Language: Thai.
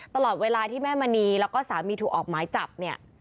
ตลอดเวลาที่แม่มณีแล้วก็สามีถูกออกหมายจับเนี่ย